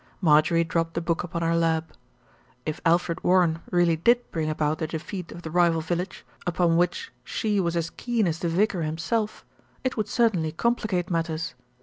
Marjorie dropped the book upon her lap. If Alfred Warren really did bring about the defeat of the rival village, upon which she was as keen as the vicar him self, it would certainly complicate matters.